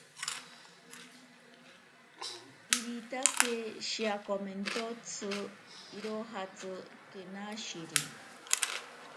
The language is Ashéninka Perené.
Iritake shiakomentotsi irojatsi kenashiri.